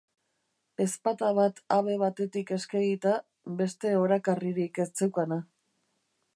Ezpata bat habe batetik eskegita, beste orakarririk ez zeukana.